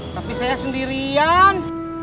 tapi saya sendirian